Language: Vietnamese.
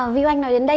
vì anh nói đến đây